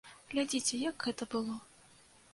Глядзіце, як гэта было.